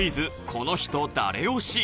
この人、誰推し？」